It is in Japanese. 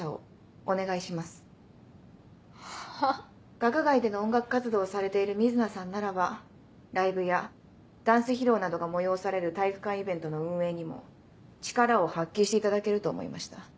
学外での音楽活動をされている瑞奈さんならばライブやダンス披露などが催される体育館イベントの運営にも力を発揮していただけると思いました。